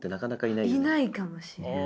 いないかもしれないな。